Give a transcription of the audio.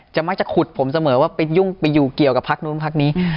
มักจะขุดผมเสมอว่าไปยุ่งไปอยู่เกี่ยวกับพักนู้นพักนี้